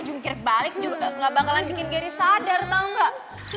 jungkir balik juga gak bakalan bikin gary sadar tau gak